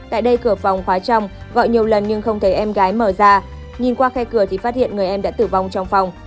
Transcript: tại đây cửa phòng khóa trong gọi nhiều lần nhưng không thấy em gái mở ra nhìn qua khe cửa thì phát hiện người em đã tử vong trong phòng